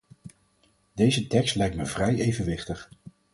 Deze tekst lijkt me vrij evenwichtig.